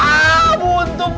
ampun tuh beneran